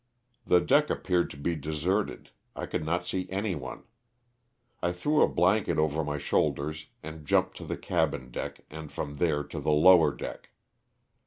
The deck appeared to be deserted, I could not see anyone. I threw a blanket over my shoulders and jumped to the cabin deck and from there to the lower deck.